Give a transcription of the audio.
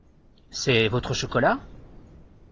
C’est votre chocolat ?